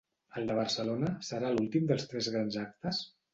El de Barcelona serà l’últim dels tres grans actes?